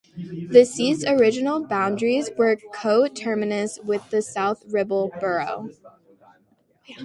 The seat's original boundaries were co-terminous with the South Ribble borough.